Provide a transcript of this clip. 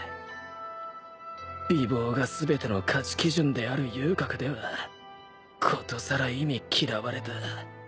美貌が全ての価値基準である遊郭ではことさら忌み嫌われた